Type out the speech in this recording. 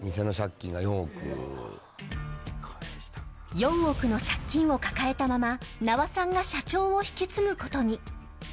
４億の借金を抱えたまま那波さんが社長を引き継ぐことに。